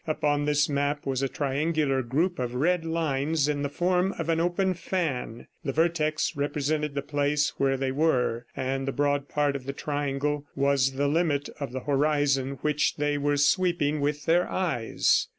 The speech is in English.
Upon this map was a triangular group of red lines in the form of an open fan; the vertex represented the place where they were, and the broad part of the triangle was the limit of the horizon which they were sweeping with their eyes.